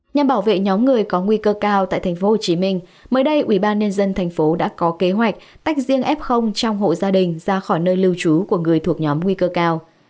nhằm bảo vệ nhóm người có nguy cơ cao tại tp hcm mới đây ubnd tp hcm đã có kế hoạch tách riêng f trong hộ gia đình ra khỏi nơi lưu trú của người thuộc nhóm nguy cơ cao